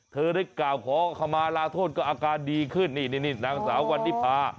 เธอได้กล่าวขอขมาลาโทษก็อาการดีขึ้นนี่นี่นางสาววันนิพา